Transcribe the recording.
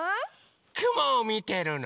くもをみてるの。